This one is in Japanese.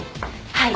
はい！